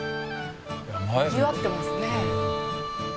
にぎわってますね。